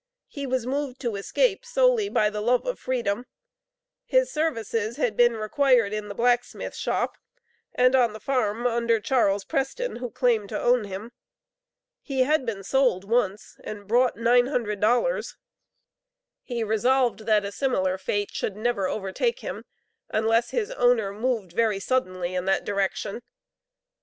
He was moved to escape solely by the love of freedom. His services had been required in the blacksmith shop, and on the farm under Charles Preston, who claimed to own him. He had been sold once and brought nine hundred dollars; he resolved that a similar fate should never overtake him, unless his owner moved very suddenly in that direction.